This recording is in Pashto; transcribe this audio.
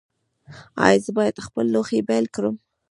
ایا زه باید خپل لوښي بیل کړم؟